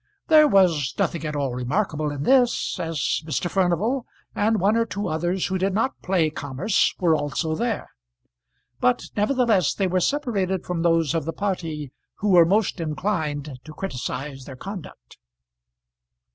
There was nothing at all remarkable in this, as Mr. Furnival and one or two others who did not play commerce were also there; but nevertheless they were separated from those of the party who were most inclined to criticise their conduct.